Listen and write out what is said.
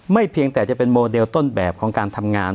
เพียงแต่จะเป็นโมเดลต้นแบบของการทำงาน